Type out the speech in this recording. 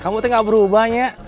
kamu tinggal berubah ya